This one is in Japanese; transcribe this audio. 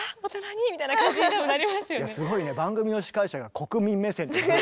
すごいね番組の司会者が国民目線という。